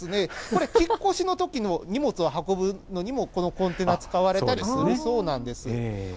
これ、引っ越しのときの荷物を運ぶのにも、このコンテナ、使われたりするそうなんです。